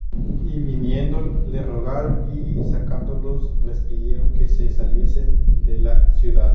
Y viniendo, les rogaron; y sacándolos, les pidieron que se saliesen de la ciudad.